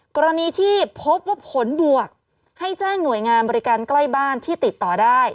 กรณีที่พบว่าผลบวกให้แจ้งหน่วยงานบริการใกล้บ้านที่ติดต่อได้